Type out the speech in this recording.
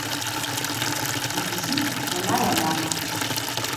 Йбзипӏ, унай анахь.